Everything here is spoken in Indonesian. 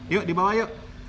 yuk dibawa yuk